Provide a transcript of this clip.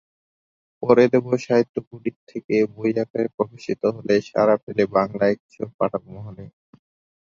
পরে দেব সাহিত্য কুটির থেকে বই আকারে প্রকাশিত হলে সাড়া ফেলে বাংলা কিশোর পাঠক মহলে।